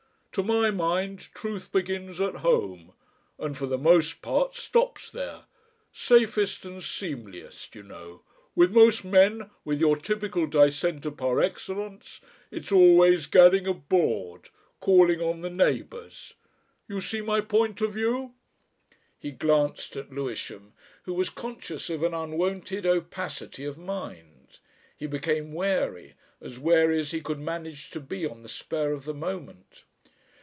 To my mind truth begins at home. And for the most part stops there. Safest and seemliest! you know. With most men with your typical Dissenter par excellence it's always gadding abroad, calling on the neighbours. You see my point of view?" He glanced at Lewisham, who was conscious of an unwonted opacity of mind. He became wary, as wary as he could manage to be on the spur of the moment.